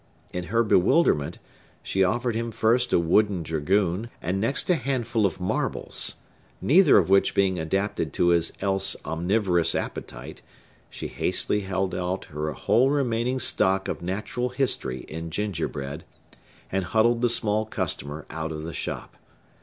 In her bewilderment, she offered him first a wooden dragoon, and next a handful of marbles; neither of which being adapted to his else omnivorous appetite, she hastily held out her whole remaining stock of natural history in gingerbread, and huddled the small customer out of the shop.